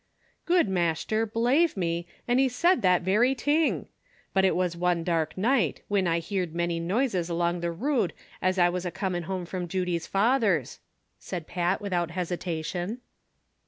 "Good mashter, belave me, an' he said that very ting ; but it was one dark night, whin I heerd many noises along the rood as I was acomin' home from Judy's father's," said Pat, without hesitation.